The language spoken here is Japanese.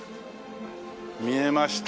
見えました。